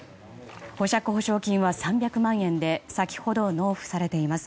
保釈保証金は３００万円で先ほど納付されています。